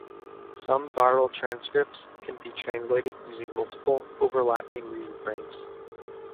Some viral transcripts can be translated using multiple, overlapping reading frames.